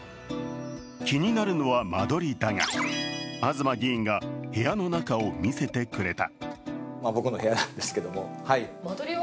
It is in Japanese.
気になるのは間取りだが東議員が部屋の中を見せてくれた。